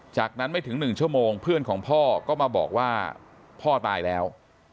จากนั้นไม่ถึง๑ชั่วโมงเพื่อนของพ่อก็มาบอกว่าพ่อตายแล้ว